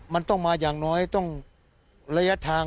มันต้องมาอย่างน้อยต้องระยะทาง